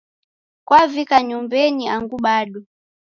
Kwavika nyumbenyi angu bado.